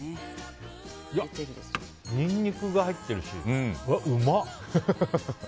ニンニクが入ってるしうまっ！